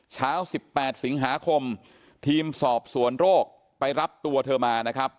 เช้า๑๘สิงหาคมทีมสอบสวนโรคไปรับตัวเธอมานะครับ